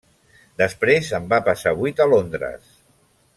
Després en va passar vuit a Londres.